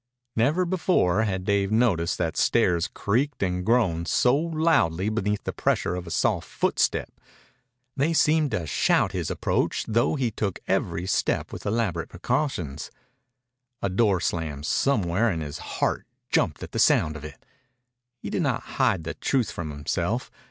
Never before had Dave noticed that stairs creaked and groaned so loudly beneath the pressure of a soft footstep. They seemed to shout his approach, though he took every step with elaborate precautions. A door slammed somewhere, and his heart jumped at the sound of it. He did not hide the truth from himself.